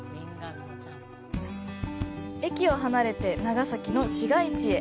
駅を離れて、長崎の市街地へ。